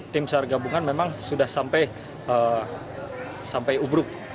tim sar gabungan memang sudah sampai ubruk